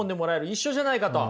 一緒じゃないかと。